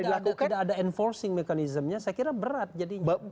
kalau tidak ada enforcing mekanismenya saya kira berat